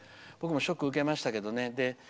僕もショック受けましたけどね。